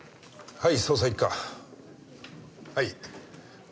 はい！